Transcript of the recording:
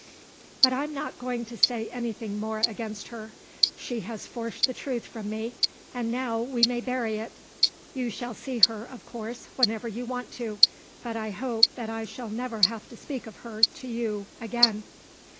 But I'm not going to say anything more against her. She has forced the truth from me, and now we may bury it. You shall see her, of course, whenever you want to. But I hope that I shall never have to speak of her to you again."